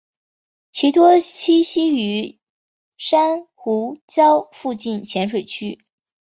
其多栖息于珊瑚礁附近浅水区。